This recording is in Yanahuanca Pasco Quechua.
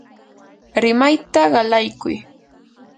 rimayta qalaykuy.